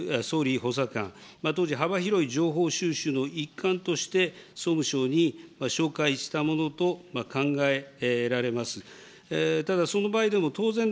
礒崎元総理補佐官、当時、幅広い情報収集の一環として、総務省に照会したものと考えられます。